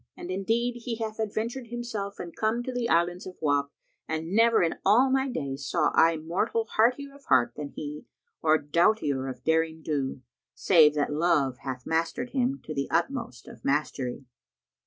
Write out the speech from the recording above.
And indeed he hath adventured himself and come to the Islands of Wak, and never in all my days saw I mortal heartier of heart than he or doughtier of derring do, save that love hath mastered him to the utmost of mastery."